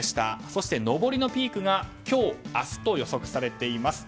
そして上りのピークが今日、明日と予測されています。